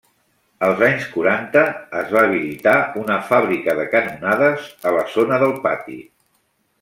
Als anys quaranta, es va habilitar una fàbrica de canonades a la zona del pati.